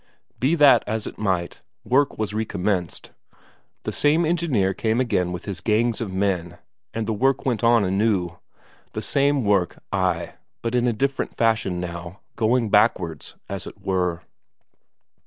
Be that as it might, work was recommenced; the same engineer came again with his gangs of men, and the work went on anew. The same work, ay, but in a different fashion now, going backwards, as it were.